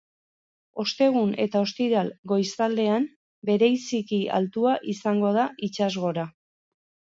Ostegun eta ostiral goizaldean bereiziki altua izango da itsasgora.